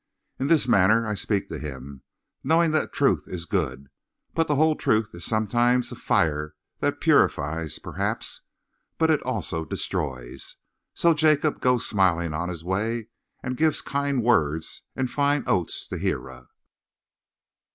In this manner I speak to him, knowing that truth is good, but the whole truth is sometimes a fire that purifies, perhaps, but it also destroys. So Jacob goes smiling on his way and gives kind words and fine oats to Hira."